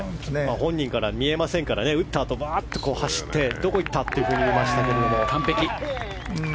本人からは見えませんから打ったあと、ばーって走ってどこ行った？って見てましたが完璧。